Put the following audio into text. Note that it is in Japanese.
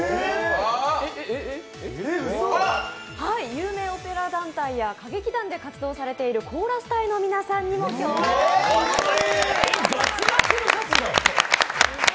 有名オペラ団体や歌劇団で活躍されているコーラス隊の皆さんにも今日はお越しいただきました。